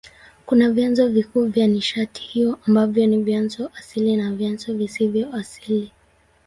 Kuna vyanzo vikuu vya nishati hiyo ambavyo ni vyanzo asili na vyanzo visivyo asili.